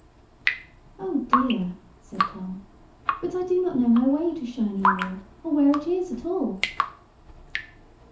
"Oh, dear!" said Tom. "But I do not know my way to Shiny Wall, or where it is at all."